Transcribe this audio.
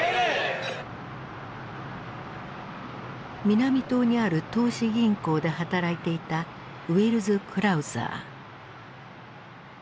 南棟にある投資銀行で働いていたウェルズ・クラウザー。